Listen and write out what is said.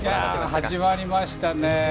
始まりましたね。